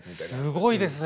すごいですね！